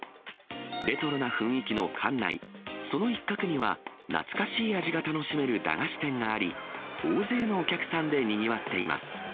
レトロな雰囲気の館内、その一角には、懐かしい味が楽しめる駄菓子店があり、大勢のお客さんでにぎわっています。